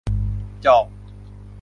จอง